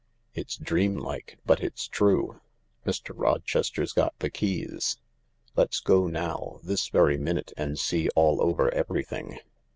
It's dream like, but it's true. Mr. Rochester's got the keys. Let's go now, this very minute, and see all over everything."